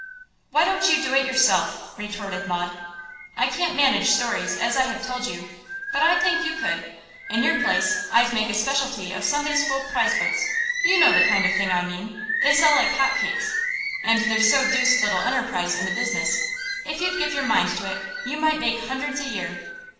'Why don't you do it yourself,' retorted Maud. 'I can't manage stories, as I have told you; but I think you could. In your place, I'd make a speciality of Sunday school prize books; you know the kind of thing I mean. They sell like hot cakes. And there's so deuced little enterprise in the business. If you'd give your mind to it, you might make hundreds a year.